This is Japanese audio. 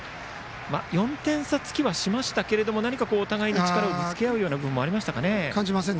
４点差、つきはしましたが何かお互いに力をぶつけ合うようなところありましたね。